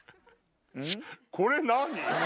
これ何？